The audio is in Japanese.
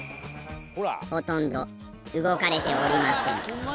ほとんど動かれておりません。